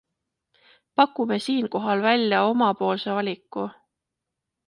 Pakume siinkohal välja omapoolse valiku.